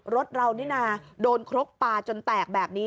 รถเรานี่นะโดนครกปลาจนแตกแบบนี้